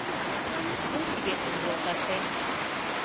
Пу кидетым, йолташем.